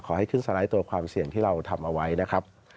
ให้ขึ้นสไลด์ตัวความเสี่ยงที่เราทำเอาไว้นะครับ